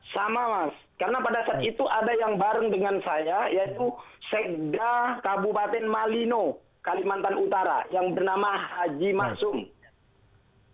sama mas karena pada saat itu ada yang bareng dengan saya yaitu sekda kabupaten malino kalimantan utara yang bernama haji masum